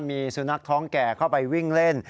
มีสุนัขท้องแก่เข้าไปวิ่งเล่น